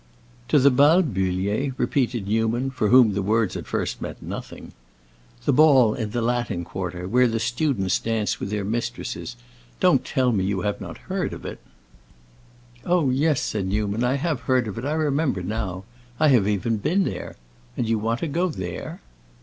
"To the Bal Bullier?" repeated Newman, for whom the words at first meant nothing. "The ball in the Latin Quarter, where the students dance with their mistresses. Don't tell me you have not heard of it." "Oh yes," said Newman; "I have heard of it; I remember now. I have even been there. And you want to go there?"